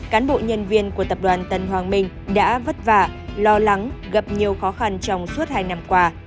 cán bộ nhân viên của tập đoàn tân hoàng minh đã vất vả lo lắng gặp nhiều khó khăn trong suốt hai năm qua